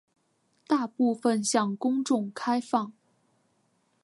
大部分向公众开放。